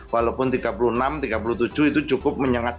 walaupun tiga puluh enam tiga puluh tujuh itu cukup menyengat